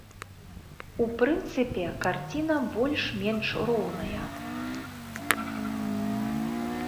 У прынцыпе, карціна больш-менш роўная.